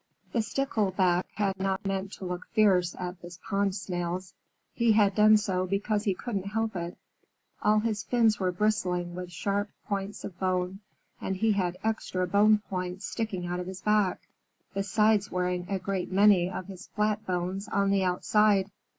The Stickleback had not meant to look fierce at the Pond Snails. He had done so because he couldn't help it. All his fins were bristling with sharp points of bone, and he had extra bone points sticking out of his back, besides wearing a great many of his flat bones on the outside.